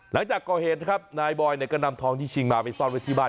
หลังจากก่อเหตุนะครับนายบอยเนี่ยก็นำทองที่ชิงมาไปซ่อนไว้ที่บ้าน